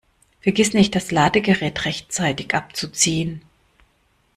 Vergiss nicht, das Ladegerät rechtzeitig abzuziehen!